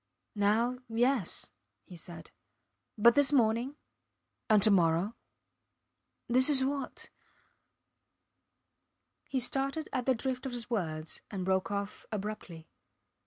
Now yes, he said, but this morning? And to morrow? ... This is what ... He started at the drift of his words and broke off abruptly.